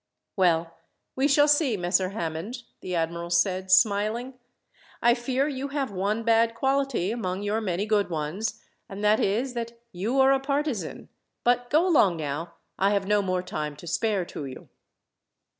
"Well, we shall see, Messer Hammond," the admiral said, smiling. "I fear you have one bad quality among your many good ones, and that is that you are a partisan. But go along now. I have no more time to spare to you."